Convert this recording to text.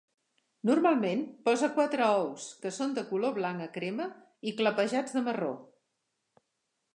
Normalment posa quatre ous, que són de color blanc a crema i clapejats de marró.